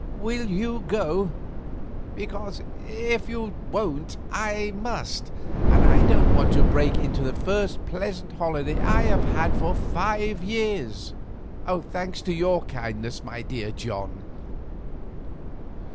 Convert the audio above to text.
Will you go? because if you won't I must, and I don't want to break into the first pleasant holiday I have had for five years—thanks to your kindness, my dear John."